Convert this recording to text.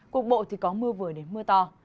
cuộc bộ thì có mưa vừa đến mưa to